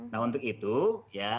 nah untuk itu ya